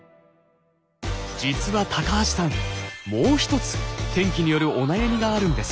実は高橋さんもう一つ天気によるお悩みがあるんです。